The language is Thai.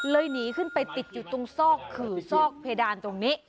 หนีขึ้นไปติดอยู่ตรงซอกขื่อซอกเพดานตรงนี้